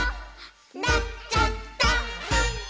「なっちゃった！」